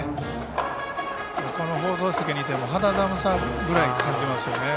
この放送席にいても肌寒さくらいを感じますよね。